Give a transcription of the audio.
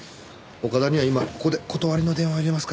岡田には今ここで断りの電話を入れますから。